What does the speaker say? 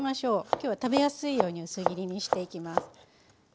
今日は食べやすいように薄切りにしていきます。